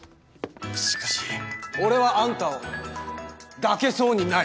しかし俺はあんたを抱けそうにない！